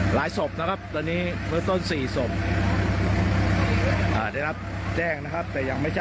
หลายศพนะครับตอนนี้เมืองต้น๔ศพ